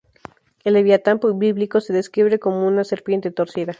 El Leviatán bíblico se describe como una "serpiente torcida".